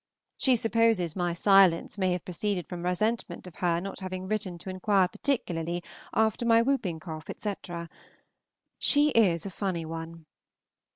She supposes my silence may have proceeded from resentment of her not having written to inquire particularly after my hooping cough, etc. She is a funny one.